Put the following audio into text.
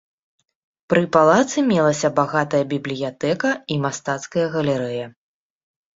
Пры палацы мелася багатая бібліятэка і мастацкая галерэя.